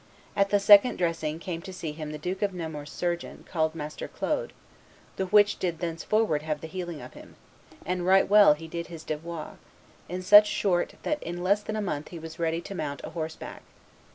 At the second dressing came to see him the Duke of Nemours' surgeon, called Master Claude, the which did thenceforward have the healing of him; and right well he did his devoir, in such sort that in less than a month he was ready to mount a horseback.